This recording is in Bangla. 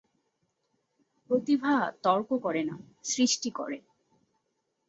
প্রতিভা তর্ক করে না, সৃষ্টি করে।